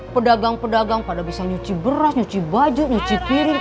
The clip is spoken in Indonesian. pedagang pedagang pada bisa nyuci beras nyuci baju nyuci piring